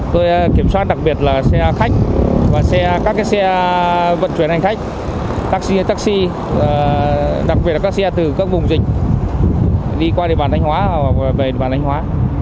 tôi kiểm soát đặc biệt là xe khách và xe các xe vận chuyển hành khách taxi taxi đặc biệt là các xe từ các vùng dịch đi qua địa bàn thanh hóa hoặc về địa bàn thanh hóa